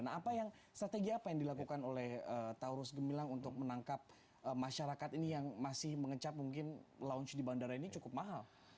nah apa yang strategi apa yang dilakukan oleh taurus gemilang untuk menangkap masyarakat ini yang masih mengecap mungkin launch di bandara ini cukup mahal